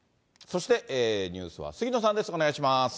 そして、ニュースは杉野さんです。